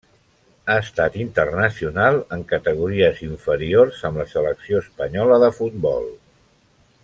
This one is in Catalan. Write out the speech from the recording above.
Ha estat internacional en categories inferiors amb la selecció espanyola de futbol.